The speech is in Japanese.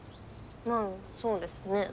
まあそうですね。